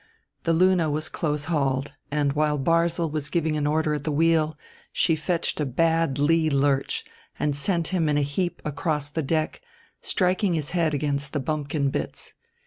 The Luna was close hauled, and, while Barzil was giving an order at the wheel, she fetched a bad lee lurch and sent him in a heap across the deck, striking his head against the bumkin bitts.